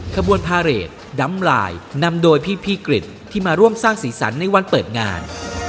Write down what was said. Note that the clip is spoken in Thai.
ขบวนพาเรทดำลายนำโดยพี่กริจที่มาร่วมสร้างสีสันในวันเปิดงาน